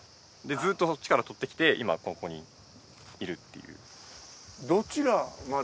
ずっとそっちから採ってきて今ここにいるっていう。